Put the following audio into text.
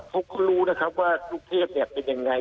เขาก็รู้ว่าลูกเทพเป็นอย่างไร